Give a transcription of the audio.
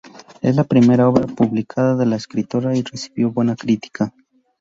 Es la primera obra publicada de la escritora y recibió buena crítica.